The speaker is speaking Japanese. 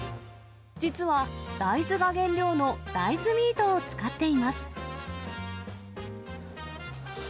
実は大豆が原料の大豆ミートを使っています。